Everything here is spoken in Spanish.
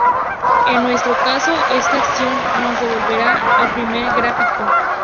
En nuestro caso, esta acción nos devolverá al primer gráfico.